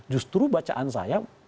justru bacaan saya